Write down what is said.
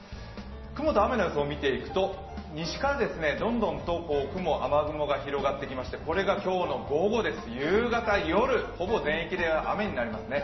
雲と雨の予想を見ていくと、西からどんどん雲、雨雲が広がってきまして、これが今日の午後、夕方、夜ほぼ全域で雨になりますね。